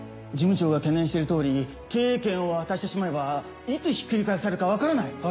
事務長が懸念しているとおり経営権を渡してしまえばいつひっくり返されるかわからない。